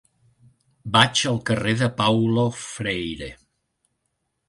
Vaig al carrer de Paulo Freire.